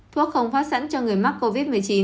thuốc không phát sẵn cho người mắc covid một mươi chín